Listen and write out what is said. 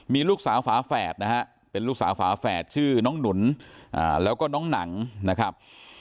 มีลูกสาวฝาแฝดนะฮะเป็นลูกสาวฝาแฝดชื่อน้องหนุนแล้วก็น้องหนังนะครับ